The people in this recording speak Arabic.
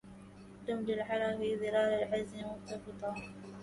دم للعلا في ظلال العز مغتبطا